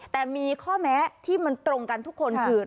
แต่มีข้อแม้ที่มันตรงกันทุกคนคือ